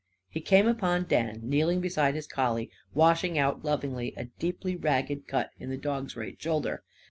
He came upon Dan, kneeling beside his collie and washing out lovingly a deeply ragged cut in the dog's right shoulder.